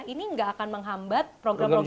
ini nggak akan menghambat program programnya sebelumnya